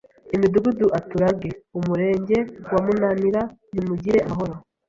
imidugudu aturage ’Umurenge wa Munanira Nimugire amahoro!”